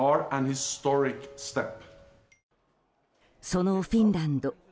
そのフィンランド